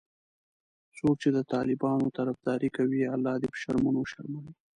څوک چې د طالبانو طرفداري کوي الله دي په شرمونو وشرموي